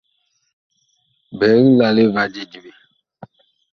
Biig lale va je diɓe.